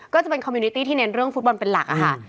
ก็จะเป็นคอมมิวนิตี้ที่เน้นเรื่องฟุตบอลเป็นหลักค่ะ